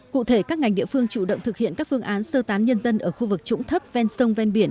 cụ thể các ngành địa phương chủ động thực hiện các phương án sơ tán nhân dân ở khu vực trũng thấp ven sông ven biển